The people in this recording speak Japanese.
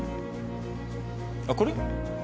あっこれ？